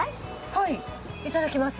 はいいただきます。